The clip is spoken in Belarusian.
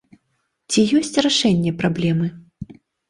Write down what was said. Ці ёсць рашэнне праблемы?